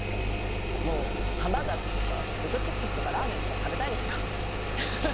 ハンバーガーとかポテトチップスとかラーメンとか食べたいですよ。